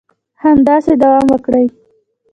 همداسې دوام وکړي